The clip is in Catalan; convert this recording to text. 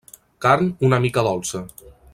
Carn una mica dolça.